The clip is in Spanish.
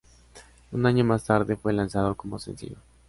Un año más tarde, fue lanzado como sencillo.